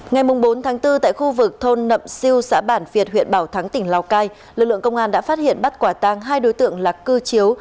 ngày bốn tháng bốn tại khu vực thôn nậm siêu xã bản việt huyện bảo thắng tỉnh lào cai lực lượng công an đã phát hiện bắt quả tang hai đối tượng là cư chiếu